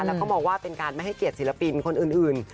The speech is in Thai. แล้วก็มองว่าเป็นการไม่ให้เกียรติศิลปินคนอื่น